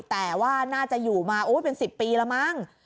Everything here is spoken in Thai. แต่ว่าน่าจะอยู่มาเป็น๑๐ปีแล้วมั้ง